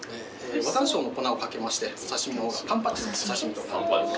和山椒の粉を掛けましてお刺身の方がカンパチのお刺身。